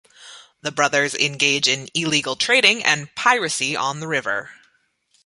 The brothers engage in illegal trading and piracy on the river.